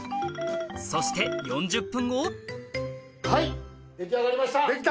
そしてはい出来上がりました。